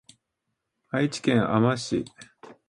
愛知県あま市